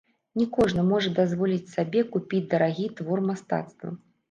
Не кожны можа дазволіць сабе купіць дарагі твор мастацтва.